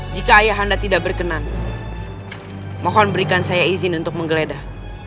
jika ayah anda tidak berkenan mohon berikan saya izin untuk menggeledah